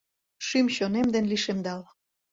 Шӱм-чонем ден лишемдал.